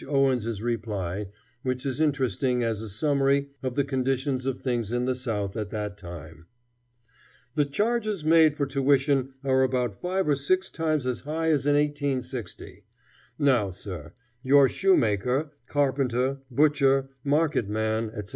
Owens's reply, which is interesting as a summary of the condition of things in the South at that time: "The charges made for tuition are about five or six times as high as in 1860. Now, sir, your shoemaker, carpenter, butcher, market man, etc.